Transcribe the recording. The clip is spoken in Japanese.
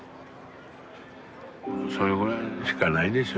それぐらいしかないでしょ